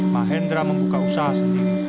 mahendra membuka usaha sendiri